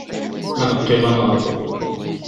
Ad neqqim ad nehder!